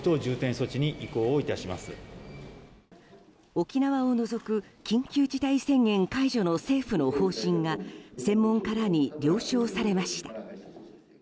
沖縄を除く緊急事態宣言解除の政府の方針が専門家らに了承されました。